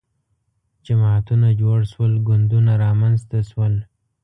جماعتونه جوړ شول ګوندونه رامنځته شول